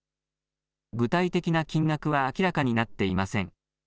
具体的な金額は明らかになっていません。